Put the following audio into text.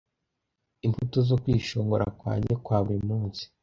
imbuto zo kwishongora kwanjye kwa buri munsi